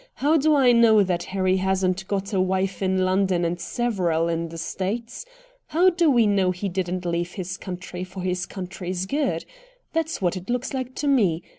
How do I know that Harry hasn't got a wife in London and several in the States? How do we know he didn't leave his country for his country's good? That's what it looks like to me.